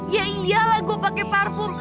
ya iyalah gue pakai parfum